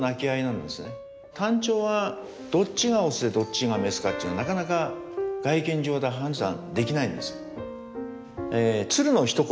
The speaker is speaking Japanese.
タンチョウはどっちがオスでどっちがメスかっていうのはなかなか外見上で判断できないんです。